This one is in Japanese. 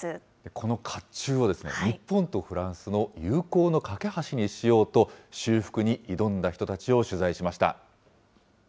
このかっちゅうを、日本とフランスの友好の懸け橋にしようと、修復に挑んだ人たちを取材しました。